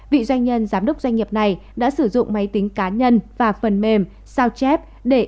vị doanh nhân giám đốc doanh nghiệp này đã sử dụng máy tính cá nhân và phần mềm sao chép để